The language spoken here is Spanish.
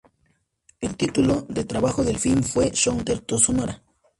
El título de trabajo del film fue "Southwest to Sonora".